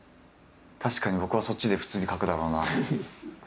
確かに僕はそっちで普通に書くだろうなあ。